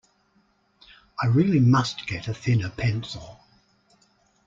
I really must get a thinner pencil.